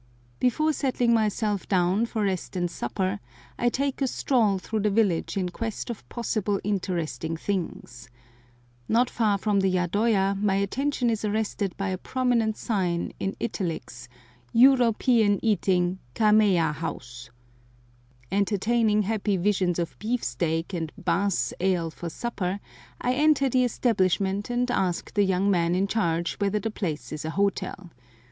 Before settling myself down, for rest and supper, I take a stroll through the village in quest of possible interesting things. Not far from the yadoya my attention is arrested by a prominent sign, in italics, "uropean eating, Kameya hous." Entertaining happy visions of beefsteak and Bass's ale for supper, I enter the establishment and ask the young man in charge whether the place is an hotel.